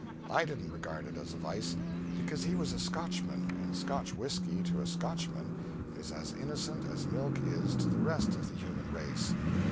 I didn't regard it as a vice, because he was a Scotchman, and Scotch whiskey to a Scotchman is as innocent as milk is to the rest of the human race.